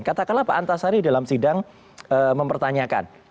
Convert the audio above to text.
katakanlah pak antasari dalam sidang mempertanyakan